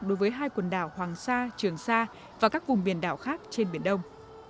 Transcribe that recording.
đối với hai quần đảo hoàng sa trường sa và các vùng biển đảo khác trên biển đông